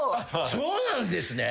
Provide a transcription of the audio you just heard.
そうなんですね。